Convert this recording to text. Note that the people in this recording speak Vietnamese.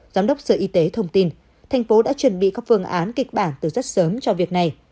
giám đốc sở y tế thông tin thành phố đã chuẩn bị các phương án kịch bản từ rất sớm cho việc này